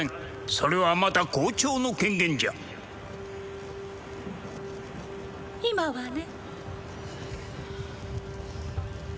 それはまだ校長の権限じゃ今はね